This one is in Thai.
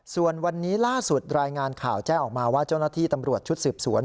ส่วนวันนี้ล่าสุดรายงานข่าวแจ้งออกมาว่าเจ้าหน้าที่ตำรวจชุดสืบสวน